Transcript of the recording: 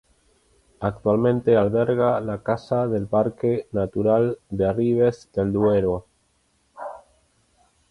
Actualmente alberga la casa del Parque Natural de Arribes del Duero.